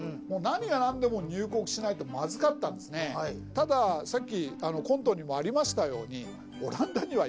たださっきコントにもありましたように。